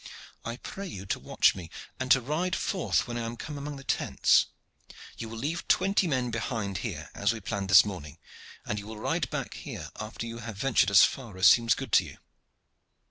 I pray you to watch me, and to ride forth when I am come among the tents. You will leave twenty men behind here, as we planned this morning, and you will ride back here after you have ventured as far as seems good to you."